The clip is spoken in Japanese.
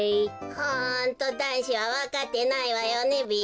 ホントだんしはわかってないわよねべ。